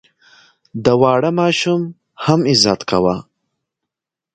د واړه ماشوم هم عزت کوه.